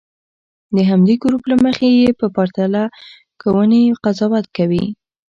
د همدې ګروپ له مخې یې په پرتله کوونې قضاوت کوي.